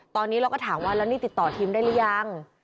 ตอนนี้เราก็ถามว่าแล้วนี่ติดต่อทีมได้หรือยัง